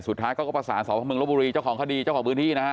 สุดท้ายเขาก็ประสานสพเมืองลบบุรีเจ้าของคดีเจ้าของพื้นที่นะฮะ